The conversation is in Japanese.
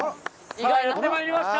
やってまいりました